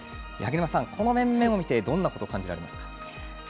八木沼さん、この面々を見てどんなことを感じられますか？